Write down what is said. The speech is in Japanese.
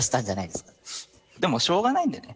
でもしょうがないんでね。